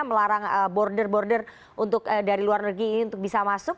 melarang border border dari luar negeri ini untuk bisa masuk